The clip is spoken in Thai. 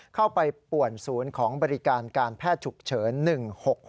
ป่วนศูนย์ของบริการการแพทย์ฉุกเฉิน๑๖๖